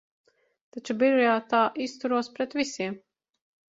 Taču birojā tā izturos pret visiem.